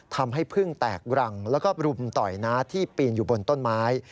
ทำให้พึ่งแตกรังแล้วก็รุมต่อยน้าที่ปีนอยู่บนต้นไม้